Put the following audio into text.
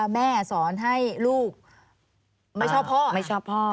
ว่าแม่สอนให้ลูกไม่ชอบพ่อ